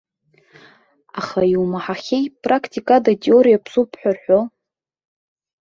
Аха иумаҳахьеи практикада атеориа ԥсуп ҳәа рҳәо?